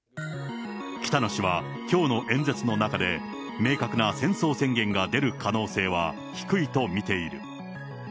北野氏は、きょうの演説の中で、明確な戦争宣言が出る可能性は低いと見ている。